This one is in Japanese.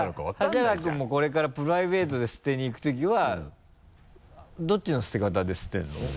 橋原君もこれからプライベートで捨てに行くときはどっちの捨て方で捨てるの？